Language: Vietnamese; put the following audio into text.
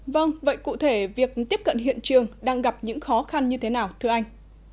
vâng vậy cụ thể việc tiếp cận hiện trường đang gặp những khó khăn như thế nào thưa anh